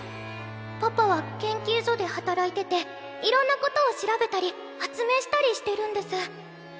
パパは研究所で働いてていろんなことを調べたり発明したりしてるんです。